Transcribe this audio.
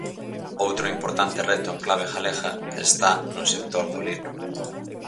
Outro importante reto en clave galega está no sector do libro.